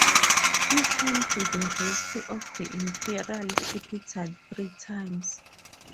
He came to the rescue of the imperial capital three times.